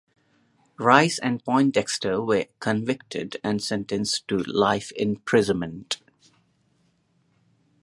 Rice and Poindexter were convicted and sentenced to life imprisonment.